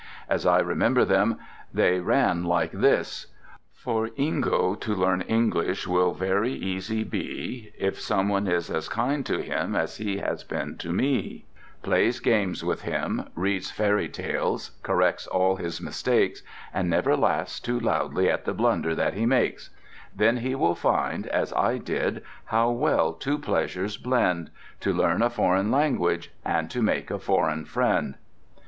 As I remember them, they ran like this: For Ingo to learn English will very easy be If someone is as kind to him as he has been to me; Plays games with him, reads fairy tales, corrects all his mistakes, And never laughs too loudly at the blunders that he makes— Then he will find, as I did, how well two pleasures blend: To learn a foreign language, and to make a foreign friend.